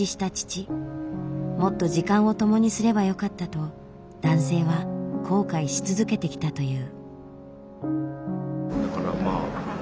もっと時間をともにすればよかったと男性は後悔し続けてきたという。